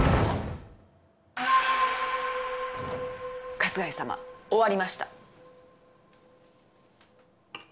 春日井様終わりました。